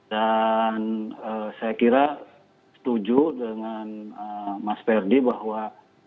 dan saya kira setuju dengan mas ferdi bahwa